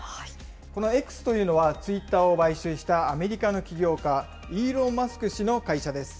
このＸというのは、ツイッターを買収したアメリカの起業家、イーロン・マスク氏の会社です。